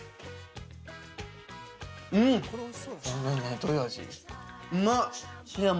どういう味？